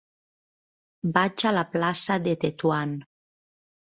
Vaig a la plaça de Tetuan.